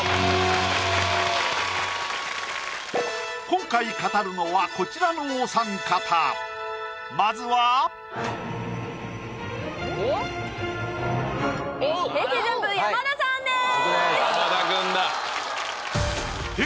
今回語るのはこちらのお三方はい僕です